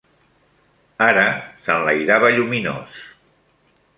...ara s'enlairava lluminós